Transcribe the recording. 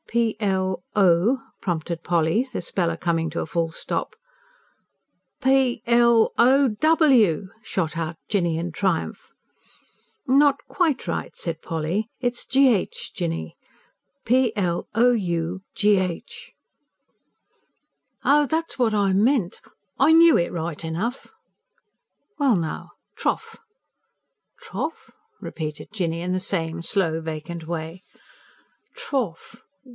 "P l o" prompted Polly, the speller coming to a full stop. "P l o w!" shot out Jinny, in triumph. "Not QUITE right," said Polly. "It's g h, Jinny: p l o u g h." "Oh, that's what I meant. I knew it right enough." "Well, now, trough!" "Trough?" repeated Jinny, in the same slow, vacant way. "Trough?